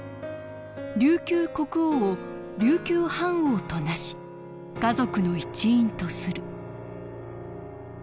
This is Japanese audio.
琉球国王を琉球藩王となし華族の一員とする」